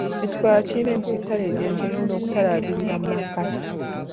Ekikoola kiyina emisittale egya kyenvu n'okutalaagirira mu makati.